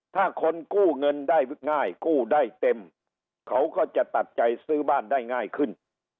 ถ้าคนกู้เงินได้ง่ายกู้ได้เต็มเขาก็จะตัดใจซื้อบ้านได้ง่ายขึ้น